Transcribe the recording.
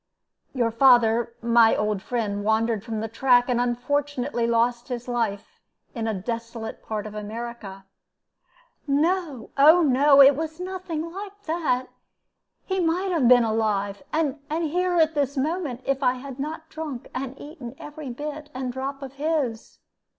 Your father, my old friend, wandered from the track, and unfortunately lost his life in a desolate part of America." "No; oh no. It was nothing like that. He might have been alive, and here at this moment, if I had not drunk and eaten every bit and drop of his."